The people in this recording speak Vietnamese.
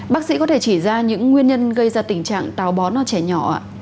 bác sĩ có thể chỉ ra những nguyên nhân gây ra tình trạng tàu bón ở trẻ nhỏ ạ